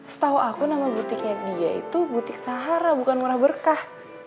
setahu aku nama butiknya dia itu butik sahara bukan murah berkah